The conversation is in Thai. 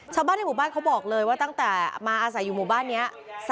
ชาวบ้านในหมู่บ้านเขาบอกเลยว่าตั้งแต่มาอาศัยอยู่หมู่บ้านนี้